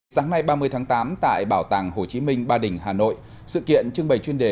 sáng nay ba mươi tháng tám tại bảo tàng hồ chí minh ba đình hà nội sự kiện trưng bày chuyên đề